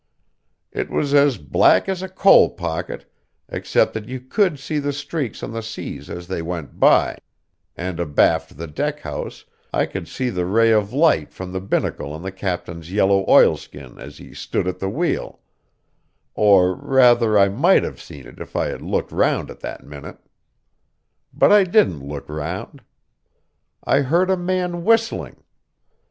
It was as black as a coal pocket, except that you could see the streaks on the seas as they went by, and abaft the deck house I could see the ray of light from the binnacle on the captain's yellow oilskin as he stood at the wheel or rather I might have seen it if I had looked round at that minute. But I didn't look round. I heard a man whistling.